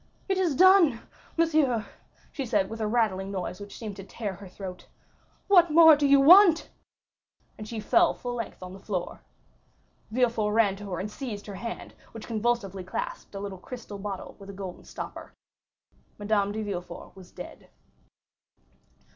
"It is done, monsieur," she said with a rattling noise which seemed to tear her throat. "What more do you want?" and she fell full length on the floor. Villefort ran to her and seized her hand, which convulsively clasped a crystal bottle with a golden stopper. Madame de Villefort was dead.